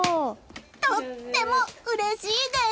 とてもうれしいです！